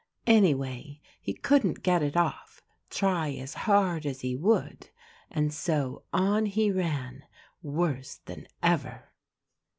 Anyway, he couldn't get it off, try as hard as he would. And so on he ran, worse than ever."